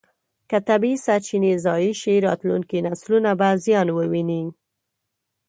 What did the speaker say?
که طبیعي سرچینې ضایع شي، راتلونکي نسلونه به زیان وویني.